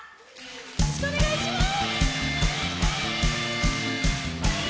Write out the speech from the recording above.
よろしくお願いします。